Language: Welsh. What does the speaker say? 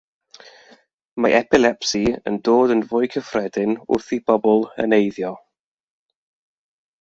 Mae epilepsi yn dod yn fwy cyffredin wrth i bobl heneiddio.